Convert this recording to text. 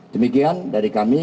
demikian dari kami